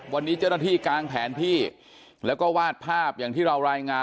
วันนี้เจ้าหน้าที่กางแผนที่แล้วก็วาดภาพอย่างที่เรารายงาน